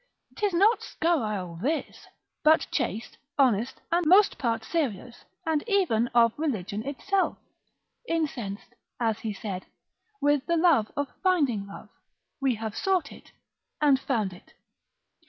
'Tis not scurrile this, but chaste, honest, most part serious, and even of religion itself. Incensed (as he said) with the love of finding love, we have sought it, and found it.